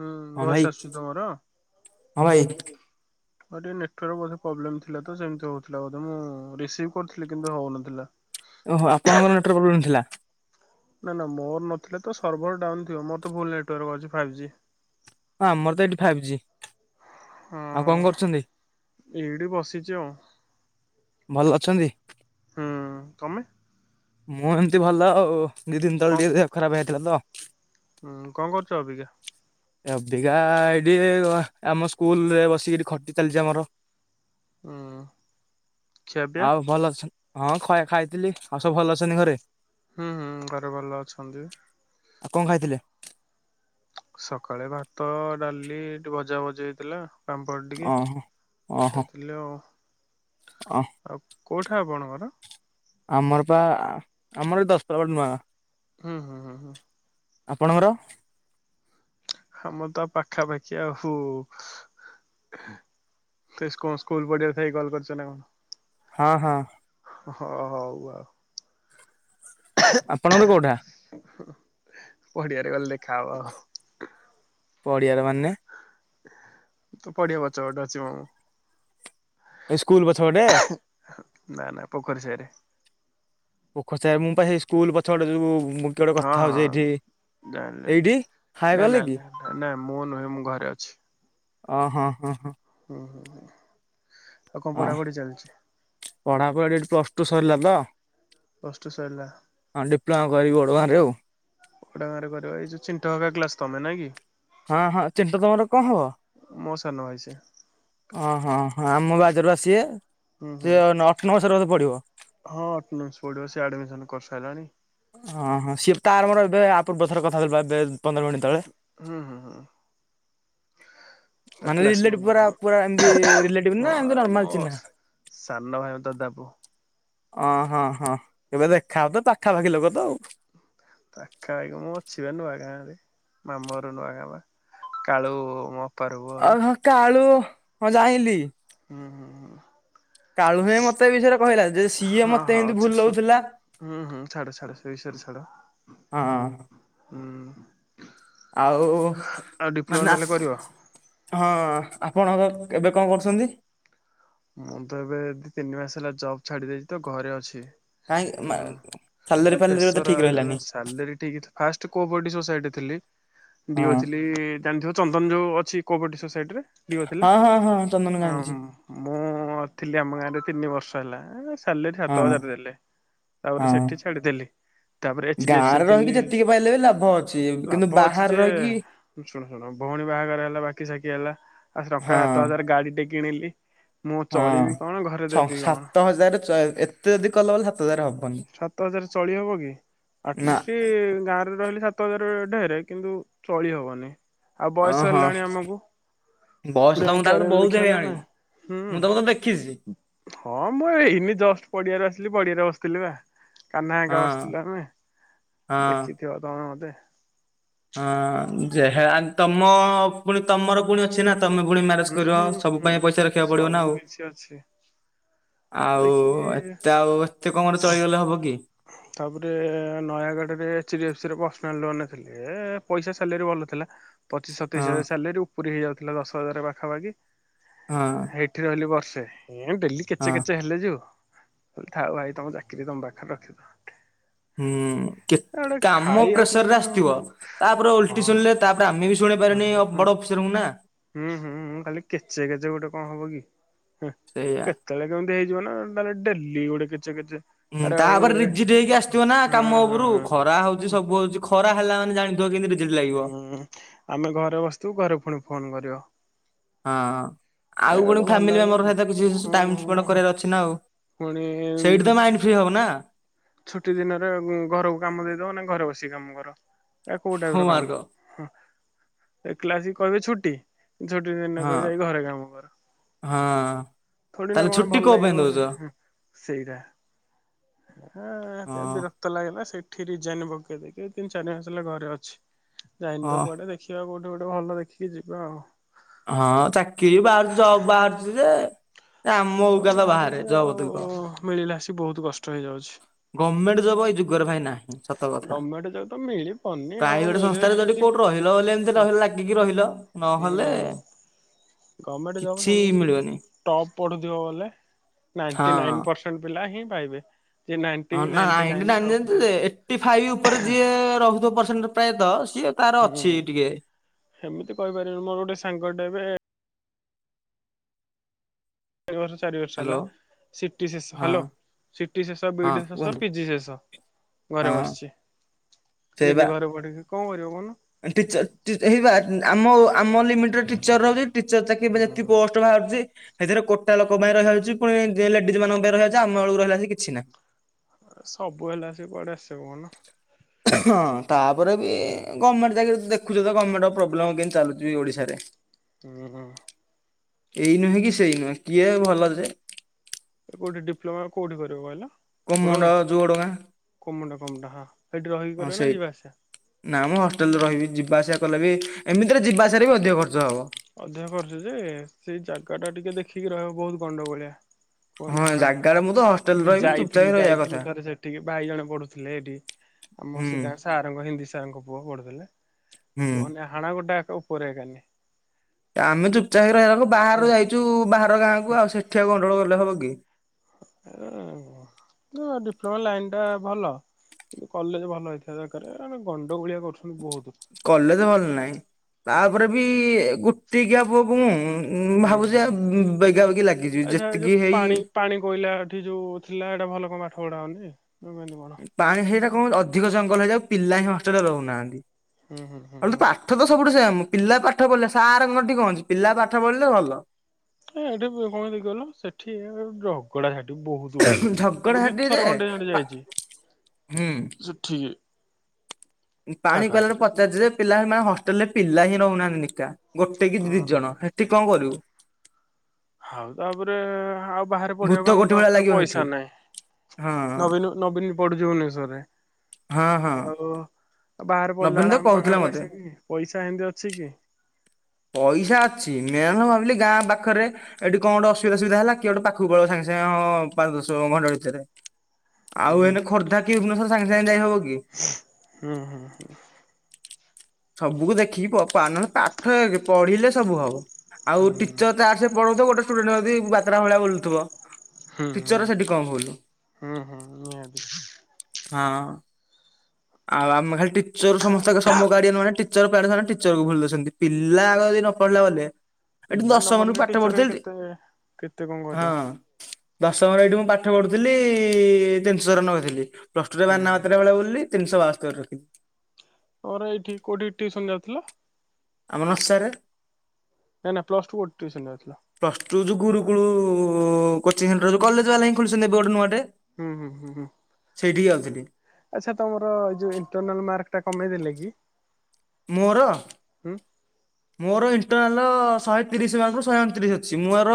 ହୁଁ ହଁ ଭଏସ୍ ଭାଇ ଆସୁଛି ତ ମୋ? ହଁ ଭାଇ ହ ଟିକେ ନେଟୱାର୍କ ବୋଧେ ପ୍ରବ୍ଲେମ୍ ଥିଲା ତ ସେମତି ହଉଥିଲା ବୋଧ ମୁଁ ରିସିଭ୍ କରିଥିଲି କିନ୍ତୁ ହଉନଥିଲା। ଓହୋ ଆପଣଙ୍କର ନେଟୱାର୍କ ପ୍ରୋବ୍ଲେମ ଥିଲା ନା ନା ମୋର ନଥିଲେ ତ ସର୍ଭର ଡାଉନ ଥିବ ମୋର ତ ଫୁଲ୍ ନେଟୱାର୍କ ଅଛି ଫାଇଭ୍ ଜି। ହଁ ଆମର ତ ଏଇଠି ଫାଇଭ୍ ଜି। ହଁ ଆଉ କଣ କରୁଛନ୍ତି ଏଇଠି ବସଛି ଆଉ। ଭଲ ଅଛନ୍ତି? ହୁଁ ତମେ ମୁଁ ଏମିତି ଭଲ ଆଉ ଦି ଦିନ ତଳେ କଣ ଟିକେ ଦେହ ଖରାପ ହେଇଥିଲା ତ। ହୁଁ କଣ କରୁଛ ଅବିକା? ଅବିକା ଏଠି ଆମ ସ୍କୁଲରେ ବସିକିରି ଖଟି ଚାଲିଛି ଆମର। ହଁ ଖିଆ ପିଆ? ଆଉ ଭଲ ଅଛ ହଁ ଖ ଖାଇଥିଲି ଆଉ ସବୁ ଭଲ ଅଛନ୍ତି ଘରେ? ହୁଁ ହୁଁ ଘରେ ଭଲ ଅଛନ୍ତି। ଆଉ କଣ ଖାଇଥିଲେ? ସକାଳେ ଭାତ ଡାଲି ଭଜା ଭଜି ହେଇଥିଲା। ପାମ୍ପଡ଼ ଟିକେ ଓହୋ ଓହୋ ଖାଇଥିଲି ଆଉ। ଅ ଆଉ କଉଠେ ଆପଣଙ୍କର? ଆମର ପା ଆମର ଏ ଦଶପଲା ବଟ ନୁଆଁ ହୁଁ ହୁଁ ହଁ ହ। ଆପଣଙ୍କର? ଆମ ତ ପାଖାପାଖି ଆଉ। ତ ସ୍କୁ ସ୍କୁଲ ପଡିଆରେ ଥାଉକି କଲ କରୁଛ ନା କଣ? ହଁ ହଁ। ହଁ ହଉ ଆଉ। ଆପଣଙ୍କର କୋଉଠା? ପଡିଆରେ ଗଲେ ଦେଖା ହବ ଆଉ। ପଡିଆର ମାନେ ତ ପଡ଼ିଆ ପଛ ପଟେ ଅଛି ମୁଁ। ଏ ସ୍କୁଲ ପଛ ପଟେ? ନା ନା ପୋଖରି ସାହିରେ। ପୋଖର ଥାଇ ମୁଁ ବା ସେଇ ସ୍କୁଲ ପଛ ପଟେ ଯୋଉ କିଏ ଗୋଟେ କଥା ହଉଛି ଏଇଠି ନାଇଁ ନାଇଁ ଏଇଠି ହାଏ ନାଇଁ କଲେ ନାଇଁ ନାଇଁ କି ନାଇଁ ନାଇଁ ନାଇଁ ମୁଁ ନୁହେଁ ମୁଁ ଘରେ ଅଛି। ଓ ହଁ- ହଁ-ହଁ। ଓ ହଁ ପଢା ପଢି ଏଇଟି ପ୍ଲସ ଟୁ ସରିଲା ତ ପ୍ଲସ ହଁ ଡିପ୍ଲୋମା କରି ବଡ କୁକୁଡ଼ା ଘରେ କରିବା, ଏଇ ଯୋଉ ଚିଣ୍ଟ ହେକା କ୍ଲାସ୍ ତମେ ନାଇଁ କି? ହଁ ହଁ। ଚିଣ୍ଟ ତମର କଣ ହବ? ମୋ ସାନ ଭାଇ ସେ ଓ ହଁ ହଁ ଆମ ବାଜରୁ ଆସିବେ ହୁଁ ହୁଁ ହଁ [unintelligible] ପଢ଼ିବ ସିଏ ଆଡମିସନ କରିସାରିଲାଣି ଓ ହଁ ସିଏ ତାର ମୋର ଏବେ ଆ ପୂର୍ବ ଥର କଥା ହଉଥିଲୁ ବା ଏବେ ପନ୍ଦର ମିନିଟ୍ ତଳେ ହୁଁ-ହୁଁ-ହୁଁ। ମାନେ ରିଲେଟିଭ ପୁରା ପୁରା ଏମତି ରିଲେଟିଭରେ ନା ଏମତି ହଁ ମୋ ନର୍ମାଲ ଚିହ୍ନା। ସାନ ଭାଇ ତା ଦବୁ ଅଁ ହଁ ହଁ ଏବେ ଦେଖା ହବ ତ ପାଖାପାଖି ଲୋକ ତ ଆଉ। ପାଖାପାଖି ମୁଁ ଅଛି ବା ନୂଆ ଗାଁରେ ମାମୁଁଘର ନୂଆ ଗାଁ ବା। କାଳୁ ମୋ ଅପାର ପୁଅ ବି ଆଉ ହଁ କାଳୁ ହଁ ଯାଇଁଲି। ହୁଁ-ହୁଁ-ହୁଁ। କାଳୁ ହିଁ ମତେ ଏ ବିଷୟରେ କହିଲା, ଯେ ସିଏ ହଁ ମତେ ହଉ ଏମତି ଛାଡ ଶୁଣ ଭୁଲଉଥିଲା ହୁଁ ହୁଁ। ଛାଡ଼ ଛାଡ଼ ସେ ବିଷୟରେ ହଁ ଛାଡ଼ ହୁଁ। ଆଉ ଆଉ ଡିପ୍ଲୋମା ମାନେ ତାହେଲେ କରିବ ହଁ। ଆପଣ ଏବେ ଏବେ କଣ କରୁଛନ୍ତି? ମୁଁ ତ ଏବେ ଦି ତିନି ମାସ ହେଲା ଜବ୍ ଛାଡି ଦେଇଛି ତ ଘରେ ଅଛି। କାହିଁକି ମା ସାଲେରୀ ଇଏ ଫାଲେରୀ ବୋଧେ ପେସର୍ ଆ ଠିକ ହେଲା ରହିଲାନି ସାଲାରୀ ଠିକ୍ ଫାଷ୍ଟ କୋପରେଟିଭ ସୋସାଇଟିରେ ଥିଲି ହଁ ଡି ଓ ଥିଲି ଜାଣିଥିବ ଚନ୍ଦନ ଯୋଉ ଅଛି କୋପରେଟିଭ ସୋସାଇଟିରେ ଡିଓ ଥିଲା ହଁ-ହଁ-ହଁ ଚନ୍ଦନକୁ ମୁଁ ହଁ ଜାଣିଛି। ମୁଁ ଥିଲି ଆମ ଗାଁରେ ତିନି ବର୍ଷ ହେଲା ସାଲେରୀ ହଁ ସାତ ହଜାର ଦେଲେ ତାପରେ ହଁ ସେଠି ଛାଡିଦେଲି ତାପରେ ଏଚ ଡି ଏଫ ସି ଗାଁରେ ରେ ରହିକି ଥିଲି ଯେତିକି ପାଇଲେ ବି ଲାଭ ଅଛି କିନ୍ତୁ ଲାଭ ଅଛି ବାହାରେ ଯେ ରହିକି ଶୁଣ ଶୁଣ ଭଉଣୀ ବାହାଘର ହେଲା ବାକି ସାକି ହେଲା ଆ ହଁ ଟଙ୍କା ସାତ ହଜାର ଗାଡ଼ିଟେ କିଣିଲି ମୁଁ ହଁ ଚଳିବି କଣ ଘରେ ଛଅ ଦେବି କଣ ସାତ ହଜାର ଏତେ ଯଦି କଲବଲ ସାତ ହଜାର ହବ ସାତ ହଜାରରେ ଚଳି ହବ କି? ନା ଆଟଲିଷ୍ଟ ଗାଁରେ ରହିଲେ ସାତ ହଜାର ଢେରେ କିନ୍ତୁ ଚଳି ହବନି, ଆଉ ବୟସ ଓହଁ ହେଲାଣି ଆମକୁ ବୟସ ପୁଣି ଆମ ତମକୁ ତାହେଲେ କ୍ୟାରିୟର ବହୁତ ଦେଖିବା ନା ହେଇଗଲାଣି ନାଇଁ ହୁଁ। ମୁଁ ତମକୁ ତ ଦେଖିଛି ହଁ ମୁଁ ଏଇନେ ଜଷ୍ଟ ପଡିଆରେ ଆସିଲି ପଡିଆରେ ବସି ଥିଲି ବା, କାହ୍ନା ହେଙ୍କା ହଁ ବସିଥିଲୁ ଆମେ ହଁ ଦେଖିଥିବ ତମେ ମତେ। ହଁ ଯେହେ ଆ ତମ ପୁଣି ତମର ପୁଣି ଅଛି ନା ତମେ ପୁଣି ମ୍ୟାରେଜ ହୁଁ କରିବ ହୁଁ ସବୁ ହୁଁ ପାଇଁ ପଇସା ହୁଁ ରଖିବାକୁ ପଡିବ ନା ସବୁ ଆଉ। କିଛି ଅଛି ଆଉ ଦେଖିକି ଏତେ ଆଉ ଏତେ କମରେ ଚଳିଗଲେ ହବ କି? ତାପରେ ନୟାଗଡ଼ରେ ଏଚ ଡି ଏଫ ସି ରେ ପର୍ସନାଲ ଲୋନ ଥିଲି ଏ ପଇସା ସାଲାରୀ ଭଲ ଥିଲା, ପଚିଶ ସତେଇଶ ହଁ ହଜାର ସାଲାରୀ ଉପୁରି ହେଇଯାଉଥିଲା ଦଶ ହଜାର ପା ପାଖାପାଖି, ହଁ ହେଇଠି ରହିଲି ବର୍ଷେ ଏ ଡେଲି ହଁ କେଚେ କେଚେ ହେଲେ ଯୋଉ କହିଲି ଥାଉ ଭାଇ ତମ ଚାକିରୀ ତମ ପାଖରେ ରଖିଥାଅ। ହୁଁ କେତ କାମ ଖାଇବା ପାଇଁ ପ୍ରେସରରେ କଣ ଆସିଥିବ, ହଁ ତାପରେ ଓଲଟି ଶୁଣିଲେ ତାପରେ ଆମେ ବି ହଁ ଶୁଣିପାରେନି ହଁ ବଡ ଅଫିସରଙ୍କୁ ନା ହୁଁ ହୁଁଁ ଉଁ ଖାଲି କେଚେ କେଚେ ଗୋଟେ କଣ ହବ କି? ହୁଁ ସେଇଆ। କେତେବେଳେ କେମିତି ହେଇଯିବ ନା ତାହେଲେ ଡେଲି ଗୋଟେ କେଚେ କେଚେ ହୁଁ ଆରେ ଭାଇ ତାପରେ ରିଜିଡ୍ ହେଇକି ଆସିଥିବ ନା ହଁ କାମ ହଁ ଉପରୁ, ହଁ। ଖରା ହଉଛି ସବୁ ହଉଛି ଖରା ହେଲା ମାନେ ଜାଣି ହୁଁ ଆମେ ଘରେ ବସିଥିବୁ ଘରେ ପୁଣି ଫୋନ କରିବ। ହଁ ଏ ଆଉ ପୁଣି ଗୋଟେ ଭଲ ଫ୍ୟାମିଲି ଲାଗିବ ମେମ୍ବର କି? ସହିତ କିଛି ଟାଇ ସ୍ପେଣ୍ଡ ହୁଁ କରିବାର ଅଛି ନା ଆଉ। ପୁଣି ସେଇଠି ତ ମାଇଣ୍ଡ ଫ୍ରି ହବ ନା। ଛୁଟି ଦିନରେ ଘରକୁ କାମ ଦେଇଦବ ନା ଘରେ ବସିକି କାମ କର। ଏ କୋଉ ଟାଇପ ର ହୋମୱାର୍କ କାମ ଏକଲାଜି କହିବେ ଛୁଟି ଛୋଟି ଦିନକ ହଁ ଯାଇକି ଘରେ କାମ କର। ହଁ ଥୋଡି ନା ତାହେଲେ କଣ ଛୁଟି ଭଲ କୋ ପାଇଁ ଲାଗିବ ଦଉଛ? ଗୋଟେ ହୁଁ ସେଇଟା। ଅ ହଁ ହଁ ହେତି ବିରକ୍ତ ଲାଗିଲା ସେଠି ରିଯାଇନ ପକେଇ ଦେଇକି ତିନି ଚାରି ମାସ ହେଲା ଘରେ ଅଛି। ଯାଇନି ତ ହଁ କୁଆଡେ ଦେଖିବା କୋଉଠି ଗୋଟେ ଭଲ ଦେଖିକି ଯିବା ଆଉ। ହଁ ଚାକିରି ବି ବାହାରୁଚି ଜବ ବାହାରୁଚି ଯେ ଏ ଆମ ମଉକା ତ ଅ ଆରୁ ବାହାରେ ଯେ ଜବ୍ ଆଉ ମିଳିଲାସି ବହୁତ ହେଇଯାଉଛି। ଗମେଣ୍ଟ ଜବ ଏଇ ଯୁଗରେ ଭାଇ ନାଇ। ସତ କଥା ଗଭର୍ଣ୍ଣମେଣ୍ଟ ଜବ୍ ତ ମିଳିବନି ଆଉ ପ୍ରାଇଭେଟ ମିଳିବ ସଂସ୍ଥାରେ ଯଦି ସେମିତି କୋଉଠି ରହିଲ ବ ଏମିତି ରହିଲ ଲାଗିକି ରହି ନହେଲେ ଗମେଣ୍ଟ ଜବ କିଛି ମିଳିବନି ସେମିତି ଟପ୍ ପଢୁଥିବ ବୋଲେ ହଁ। ନାଇଣ୍ଟି ନାଇନ ପରସେଣ୍ଟ ପିଲା ହିଁ ପାଇବେ। ଯେ ନାଇଣ୍ଟି ହଁ ନା ନାଇଣ୍ଟି ନାଇ [unintelligible] ନାଇନ୍ ପିଲା ଆଣିଜନ୍ତି ରଖୁଥିବ ଯେ ଏଟି ଫାଇଭ ଉପରେ ଯିଏ ରହୁଥିବ ପରସେଣ୍ଟ ପ୍ରାଅତ ହୁଁ ସେମିତି କହିପାରିବେ ମୋର ଗୋଟେ ସାଙ୍ଗଟେ ଏବେ [unintelligible] ବର୍ଷ ଚାରି ବର୍ଷ ହେଲା ହ୍ୟାଲୋ ସିଟିସିସ୍ ହଁ ହାଲୋ ସିଟି ଶେଷ ହଁ ବିଡି ଶେଷ କୁହନ୍ତୁ ପିଜି ଶେଷ ହଁ ଘରେ ବସଚି। ନିଜେ ଘରେ ପଢିକି କଣ କରିବ କଉନୁ ଆଲ ଟିଚର୍ ଟି ଏହିବା ଆମ ଆମ ଲିମିଟ ଟିଚର ରବେ ଟିଚର ଚାକି ପାଇଁ ଯେତିି ହୁଁ ପୋଷ୍ଟ ବାହାରୁଚି ସେଇଥିରେ କୋଟା ଲୋକ ପାଇଁ ରହିବାଯାଉଛି ପୁଣି ଯିଏ ଲେଡିଜ ମାନଙ୍କ ପାଇଁ ରହିଯାଉଚି ଆମ ବେଳକୁ ରହିଲା ଯେ କିଛି ନା। ସବୁ ହେଲା ସେ କୁଆଡେ ଆସିବ କହୁନ। ହଁ ତାପରେବି ଗମେଣ୍ଟ ଚାକୀରି ଦେଖୁଚୁ ତ ଗର୍ମେଣ୍ଟ ପ୍ରୋବ୍ଲେମ କେମତୀ ଚାଲୁଚି ବି ଓଡିଶାରେ। ଉଁ ହଁ। ଏଇ ନୁହେଁ କି ସେଇ ନୁହେଁ କିଏ ଭଲ ଯେ? କୋଉଠି ଡିପ୍ଲୋମା କୋଉଠି କରିବ କହିଲ? କମଣ୍ଡ ପଡଙ୍ଗା ଯୋଡଗାଁ କମୋଟ କମଟା ହଁ ସେଇଠି ରହିକି ହଁ କରିବ ନା ସେଇ ଯିବା ଆସିବା ନା ମୁଁ ହଷ୍ଟେଲରେ ରହିବି ଯିବା ଆସିବା କଲେ ବି ଏମିତିରେ ଯିବା ଆସିବା ବି ଅଧିକ ଖର୍ଚ୍ଚ। ଅଧିକ କରୁଚ ଯେ ସେଇ ଜାଗା ଟା ଟିକେ ଦେଖିକି ରହିବ ବହୁତ ଗଣ୍ଡଗୋଳିଆ। ହଁ କୁହିନି ହାଣାପିଠା ଜାଗାରେ ମୁଁ ତ ହଷ୍ଟେଲରେ ରହିବି ଚୁପଚାପ ଯାଇଥିଲି ରହିବା କଥା ଯାଇଥିଲି ଥରେ ସେଠିକି ଭାଇ ଜଣେ ପଢୁଥିଲେ ଏଇଠି। ଆମ ହୁଁ ସେ ଗାଁ ସାରଙ୍କ ହିନ୍ଦୀ ସାରଙ୍କ ପୁଅ ପଢୁଥିଲେ। ହୁଁ। କୁହନି ହାଣା ଗୋଟା ଏକ ଉପରେ ଗାନି। ଆମେ ଚୁପଚା ହେଇ ରହିବାକୁ ବାହାରୁ ଯାଇଚୁ ବାହାର ଗାଁକୁ ଆଉ ସେଠି ଆଉ ଗଣ୍ଡଗୋଳ କଲେ ହବ କି? ଏ ଥୁଅ ଡିପ୍ଲୋମା ଲାଇନ ଟା ଭଲ କିନ୍ତୁ କଲେଜ ଭଲ ହେଇଥିବା ଦରକାରେ ଏ ହେ ଗ କଲେଜ ଭଲ ନାଇ ତାପରେ ବି ଗୋଟିକିଆ ପୁଅ କୁ ମୁ ଉଁଁ ହୁଁ ଭାବୁଚି ହୁଁ ଆଉ ବେଗା ବେଗି ଲାଗିଯିବି ଆଚ୍ଛା ଏ ଯୋଉ ଯେତିକି ହେଇ ପାଣି ପାଣି କୋଇଲା ଏଠି ଯୋଉ ଥିଲା ହେଟା ଭଲ କଣ ପାଠ ପଢା ହଉନି କେମିତି କଣ? ପାଣି ହେଟା କଣ ଅଧିକ ଜଙ୍ଗଲ ହେଇଯାଉ ପିଲା ହିଁ ହଷ୍ଟେଲରେ ରହୁନାହାନ୍ତି। ହୁଁ ହୁଁ ହୁଁ ଆ ତ ହୁଁ ପାଠ ତ ସବୁଠୁ ସେ ଆମ ପିଲା ପାଠ ପଢ଼ିଲେ ସାରଙ୍କଠି କଣ ଅଛି ପିଲା ପାଠ ପଢିଲେ ଭଲ। ଏ ଏଠି କଣ ହେଖି କହିଲ ସେଠି ଝଗଡା ବହୁତ ହଉଚି ଝଗଡା ମୁଁ ଦି ଝାଟି ଯେ ଥର ଖଣ୍ତେ ହ୍ୟାଡେ ପା ଯାଇଚି ହୁଁ ସେଠି ତାଙ୍କ ପାଣି କଲାରେ ହାତରେ ପଚାରଚି ଯେ ପିଲା ମା ହଷ୍ଟେଲ ରେ ପିଲା ହିଁ ରହୁନାହାନ୍ତି ନିକ ଗୋଟେ କି ଦି ହଁ। ଜଣ ହେଠି କଣ କରିବୁ? ଆଉ ତାପରେ ଆଉ ବାହାରେ ଭୂତ ପଢିବାକୁ ଆମ କୋଠି ଭଳିଆ ପାଖରେ ଲାଗିବ ସେଠି। ପଇସା ନାହିଁ। ହଁ ନବୀନ ନବୀନି ପଢୁଚି ଭୁବନେଶ୍ୱରରେ। ହଁ ହଁ। ଆଉ ବାହାରେ ପଡିଲା ନବୀନ ତ ବେଳେ ଆମ କହୁଥିଲା ପାଖରେ ମତେ ପଇସା କି ପଇସା ଏମିତି ଅଛି କି? ପଇସା ଅଛି ମେ ମୁଁ ଭାବିଲି ଗାଁ ପାଖରେ ଏଠି କଣ ଗୋଟେ ଅସୁବିଧା ସୁବିଧା ହେଲା କିଏ ଗୋେ ପାଖକୁ ପଳ ସାଙ୍ଗେ ସାଙ୍ଗେ ହଁ ପାଞ୍ଚ ଦଶ ଘଣ୍ଟା। ଆଉ ହୁଁ ଏଇନା ଖୋର୍ଦ୍ଧା କି ଭୁବନେଶ୍ୱଵର ସାଙ୍ଗେ ସାଙ୍ଗେ ଯାଇ ହବ କି? ହୁଁ ହୁଁ। ସବୁକୁ ଦେଖିକି ନହେଲେ ପାଠ ପଢିଲେ ସବୁ ହବ। ଆଉ ହୁଁ ହୁଁ। ଟିଚର ତ ସେ ପଢଉଥିବ ଗୋଟେ ଷ୍ଟୁଡେଣ୍ଟ ଯଦି ବାତ୍ରା ଭଳିଆ ବୋଲୁଥିବ। ଟିଚର ର ହୁଁ ସେଠି କଣ ଭୁଲ ହୁଁ ନିହାତି ହଁ। ଆଉ ଆମେ ଖାଲି ଟିଚର ସମସ୍ତେ ସମ [unintelligible] ଭୁଲି ଦଉଛନ୍ତି ପିଲା ନ ପଢିଲା ବେଲେ ଏଠି ପିଲା ନ ଦଶମ ରୁ ପଢିଲେ ପାଠ ଟିଚର ପଢୁଥିଲେ ଯେ କେତେ କେତେ କଣ କରିବ ହଁ। ଦଶମରେ ଏଇଠି ମୁଁ ପାଠ ପଢୁଥିଲି ତିନିଶ ଚରଣ କହିଥିଲି ପ୍ଲସ ଟୁ ରେ ହୁଁ। ବାନା ମାତ୍ରା ଭଳିଆ ବୁଲିଲି। ତିନିଶ ବାସ୍ତୋରୀ ରଖିଲି। ତର ଏଇଠି କୋଉଠି ଟିଉସନ ଯାଉଥିଲ? ଆମ ନଶାରେ ନାଇଁ ନା ପ୍ଲସ ଟୁ କୋଉଠି ଟ୍ୟୁସନ ଯାଉଥିଲ। ପ୍ଲସ ଗୁରୁକୁଳୁ କୋଚିଂ ସେଣ୍ଟରଉ କଲେଜ ବାଲା ହିଁ ଖୋଲିଛନ୍ତି ଏବେ ଗୋଟେ ନୁଆଟେ। ହୁଁ ହୁଁ ହୁଁ ହୁଁ। ଯାଉଥିଲି ଆଚ୍ଛା ତମର ଏଇ ଯୋଉ ଇଣ୍ଟରନାଲ ମାର୍କ ଟା କମେଇ ଦେଲେ କି? ମୋର ହ ମୋର ଇଣ୍ଟରନାଲ ଶହେ ତିରିଶ ମାର୍କରୁ ଶହେ ଅଣତିରିଶ ଅଛି ମଁର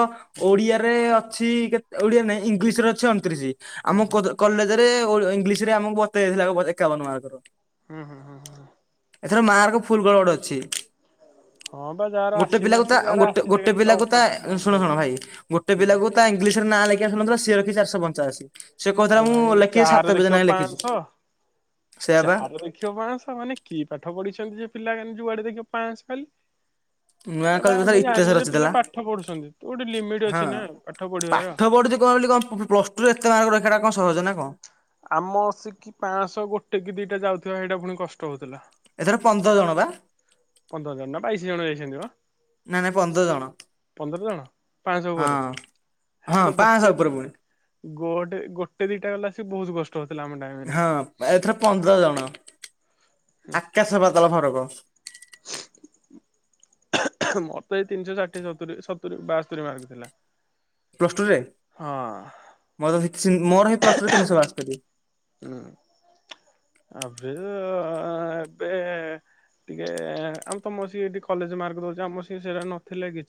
ଓଡିଆରେ ଓଡିଆ ନାଇଁ ଇଂଲିଶରେ ଅଛି ଅଣତିରିଶ ଆମ ହୁଁ। କଲେଜ ଇଂଲିଶ ରେ ଆମକୁ ବତେଇାଇଥିଲା ଏକାବନ ମାର୍କର ହୁଁ ହୁଁ ହୁଁ। ଏଥର ମାର୍କ ଫୁଲ ଗୋଳ ଗଡେ ଅଛି। ହଁ ବା ଯାହାର ଗୋଟେ ଆସିନି ପିଲାକୁ ତା ଆସିନି ଯାହାର ଗୋଟେ ଆସିଛି ଗୋଟେ ଖାଲି ଟପ୍ ପିଲାକୁ ତା ପାଠ ମାର୍କ ଶୁଣ ଶୁଣ ଭାଇ ଗୋଟେ ଦେଇଛି। ପିଲାକୁ ତା ଇଂଲିଶ ନାଁ ଲେଖି ଆସୁନି ସେ ରଖିଛି ଚାରିଶହ ପଞ୍ଚାଅଶି। ଆରେ ଭାଇ ଯାହାର ଦେଖିବ ପାଞ୍ଚଶହ। ସେଇଆ ବା ଚାରିଶହ ପାଞ୍ଚଶହ ମାନେ କିଏ ପାଠ ପଢିଛନ୍ତି ଯେ ପିଲା ଯୁଆଡ଼େ ଦେଖିବା ପାଞ୍ଚଶହ ଖାଲି। [inaudible] ନୂଆ ଆରେ ଭାଇ କଲେ କାର ଆମେ ଇତିହାସ ଜାଣିଲୁ ଯେ ପିଲା ରଚିଥିଲା ପାଠ ପଢୁଛନ୍ତି ତ ଗୋଟେ ଲିମିଟ ହଁ ଅଛି ନା ପାଠ ପଢିବାର। ପାଠ ପଢୁଛି କଣ କଣ ପ୍ଲସ ଟୁ ଏତେ ରଖିବା ଟା କଣ ସହଜ ନା କଣ? ଆମ ଆସିକି ପାଞ୍ଚଶହ ଗୋଟେ କି ଦିଟା ଯାଉଥିବା ଏଇଟା ପୁଣି କଷ୍ଟ। ହଉଥିଲା। ଏଥର ପନ୍ଦର ଜଣ ବା? ପନ୍ଦର ଜଣ ନା ବାଇଶି ଜଣ ଯାଇଛନ୍ତି ପା। ନାଇଁ ନାଇଁ ପନ୍ଦର ଜଣ ପାଞ୍ଚଶହ ଉପରେ ହଁ। ହଁ ଆରେ ଗୋଟେ ପାଞ୍ଚଶହ ଉପରେ ପୁଣି ଗୋଟେ ଗୋଟେ ଦିଟା ଗଲା ସ ବହୁତ କଷ୍ଟ। ହଉଥିଲା ଆମ ଟାଇମ ରେ। ହଁ ଏଥରେ ପନ୍ଦର ଜଣ। ଆକାଶ ପାତାଳ ଫରକ। ମୋର ତ ଏଇ ତିନିଶହ ଷାଠିଏ ସତୁରି ବାସ୍ତରିମାର୍କ ଥିଲା। ପ୍ଲସ ଟୁ ରେ ମୋର ହଁ। ମୋର ହେଇ ପ୍ଲସ ଟୁ ରେ ତିନିଶହ ବାସ୍ତୋରୀ। ହୁଁ ଆବେ ଏବେ ଟିକେ ଆମେ ତମର ସିିକ କଲେଜ ମାର୍କ ଦଉଛି ଆମର ସି ସେଟା ନଥିଲେ କିଛି।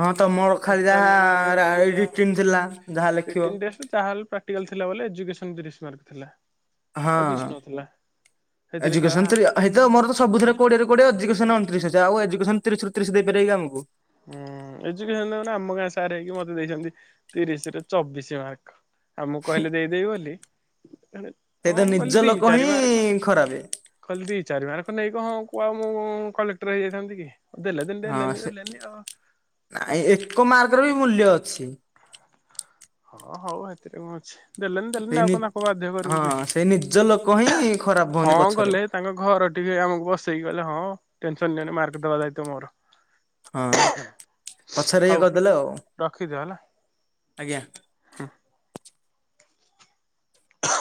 ହଁ ତ ମୋର ଖାଲି ଟୋଟାଲି ଯାହା ଆମେ ଯାହା ଏଡିଟିଂ ଥିଲା ଯାହା ଲେଖିବ। ପ୍ରଟିକାଲ ଥିଲା ଏଜୁକେସନ ତିରିଶ ମାର୍କ ଥିଲା। ହଁ ଆଉ କିଛି ନଥିଲା ସେଥିରେ ଶଳା ଏଜୁକେଶନ ଥ୍ରି ହେଇତ ମୋର ତ ସବୁଥିରେ କୋଡିଏରେ କୋଡିଏ ଏଯୁ ଧରିନିଅ ଅଣତିରିଶ ଅଛି। ଆଉ ଏଯୁକେଶନ ତିରିଶ ରୁ ତିରିଶ ଦେଇପାରିବେ କି ଆମକୁ? ହୁଁ। ଏଜୁକେଶନରେ ମାନେ ଆମ ଗାଁ ସାର୍ ହେଇକି ମତେ ଦେଇଛନ୍ତି ତିରିଶ ରେ ଚବିଶି ମାର୍କ। ଆମକୁ କହିଲେ ଦେଇଦେବି ବୋଲି ସେଇତ ହଁ ମୁଁ ନିଜ କହିଲି ଦି ଲୋକ ଚାରିି ହିଁ ମାର୍କ। ଖରାପେ କହିଲି ଦି ଚାରିିମାର୍କ ନେଇ କହଣ କୁହ ମୁ କଲେକ୍ଟର ହେଇଯାଇଥାନ୍ତି କି ଦେଲେ ଦ ହଁ ଦେଲେନି ସେ ଦେଲେନି ଆ ନାଇଁ ଏକ ମାର୍କର ବି ମୂଲ୍ୟ ଅଛି। ହଁ ହଉ ହେଥିରେ କଣ ଅଛି। ଦେଲେନି ସେଇ ଦେଲେନି ନି ଆଉ କଣ ତାଙ୍କୁ ବାଧ୍ୟ ହଁ କରିବୁ କି? ସେଇ ନିଜ ଲୋକ ହିଁ ଖରାପ ହଁ ହୁଅନ୍ତି ପଛରେ ଗଲେ ତାଙ୍କ ଘର ଟିକେ ଆମକୁ ବସେଇକି ଗଲେ ହଁ ଟେନସନ ନିଅନି ମାର୍କ ଦବା ଦାୟିତ୍ଵ ମୋର। ହଁ ପଛରେ ଇଏ ହଉ କରିଦେଲେ ଆଉ। ରଖିଦିଅ ହେଲା। ଆଜ୍ଞା। ହ